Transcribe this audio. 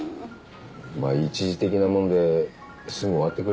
まあ一時的なもんですぐ終わってくれればいいけどね。